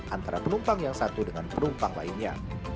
antara penumpang yang satu dengan penumpang lainnya